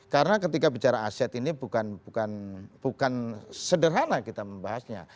karena ketika bicara aset ini bukan sederhana kita membahasnya